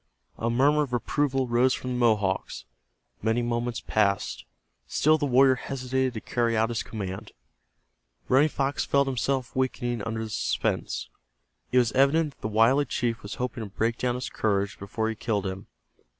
A murmur of approval rose from the Mohawks. Many moments passed. Still the warrior hesitated to carry out his command. Running Fox felt himself weakening under the suspense. It was evident that the wily chief was hoping to break down his courage before he killed him.